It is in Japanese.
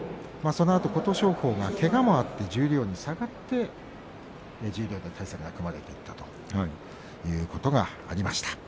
琴勝峰はそのあと、けがもあって十両に下がって、十両で対戦が組まれたということがありました。